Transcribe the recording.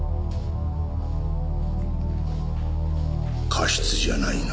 加筆じゃないな。